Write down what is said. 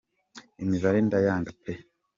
imibare ndayanga pe